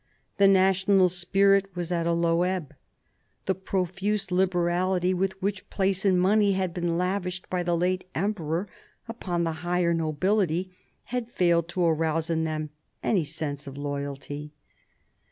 The national spirit was at a low ebb. The profuse liberality with which place and money had been lavished by the late emperor upon the higher nobility had failed to arouse in them any strong sense of loyalty.